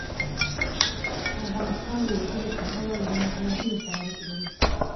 افغانستان د وادي له پلوه له نورو هېوادونو سره اړیکې لري.